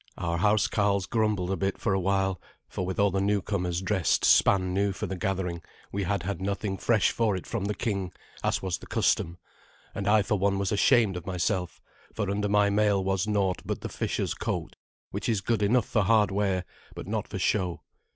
Our housecarls grumbled a bit for a while, for with all the newcomers dressed span new for the gathering, we had had nothing fresh for it from the king, as was the custom, and I for one was ashamed of myself, for under my mail was naught but the fisher's coat, which is good enough for hard wear, but not for show.